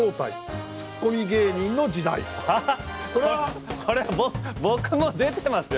ここれは僕も出てますよ